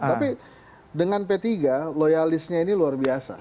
tapi dengan p tiga loyalisnya ini luar biasa